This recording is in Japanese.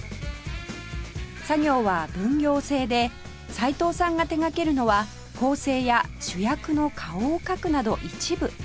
作業は分業制でさいとうさんが手がけるのは構成や主役の顔を描くなど一部